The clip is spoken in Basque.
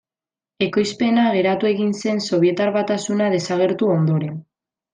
Ekoizpena geratu egin zen Sobietar Batasuna desagertu ondoren.